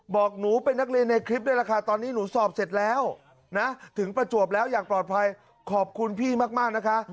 บอกหนูเป็นนักเรียนในคลิปนี่แหละค่ะตอนนี้หนูสอบเสร็จแล้วนะถึงประจวบแล้วอย่างปลอดภัยขอบคุณพี่มากนะคะ